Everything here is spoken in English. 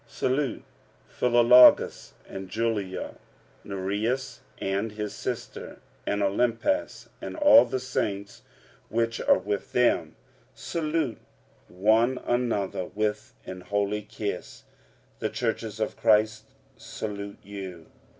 45:016:015 Salute Philologus, and Julia, Nereus, and his sister, and Olympas, and all the saints which are with them. 45:016:016 Salute one another with an holy kiss. The churches of Christ salute you.